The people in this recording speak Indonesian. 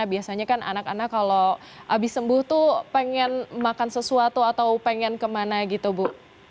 biasanya kan anak anak kalau habis sembuh tuh pengen makan sesuatu atau pengen kemana gitu bu